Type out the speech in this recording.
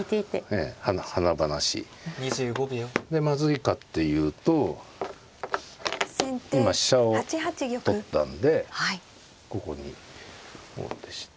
でまずいかっていうと今飛車を取ったんでここに王手して。